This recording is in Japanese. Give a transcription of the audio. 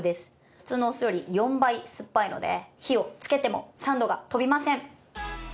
普通のお酢より４倍酸っぱいので火をつけても酸度が飛びません。